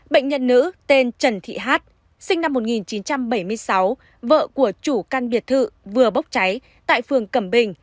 bệnh nhân nữ tên trần thị hát sinh năm một nghìn chín trăm bảy mươi sáu vợ của chủ căn biệt thự vừa bốc cháy tại phường cẩm bình